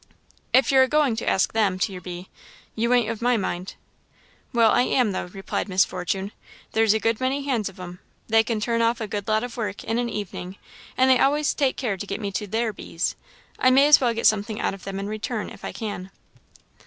"If you're agoing to ask them to your bee, you ain't of my mind." "Well, I am, though," replied Miss Fortune; "there's a good many hands of 'em; they can turn off a good lot of work in an evening; and they always take care to get me to their bees. I may as well get something out of them in return, if I can."